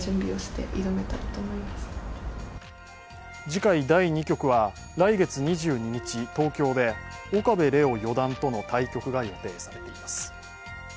次回第２局は来月２２日、東京で岡部怜央四段との対局が予定されています。